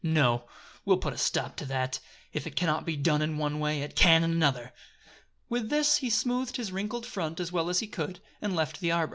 No! we'll put a stop to that. If it can not be done in one way, it can in another!" With this he smoothed his wrinkled front as well as he could, and left the arbor.